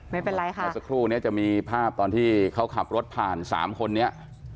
ไม่เป็นไรค่ะเมื่อสักครู่นี้จะมีภาพตอนที่เขาขับรถผ่านสามคนนี้